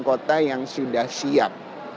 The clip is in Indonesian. kota yang sudah siap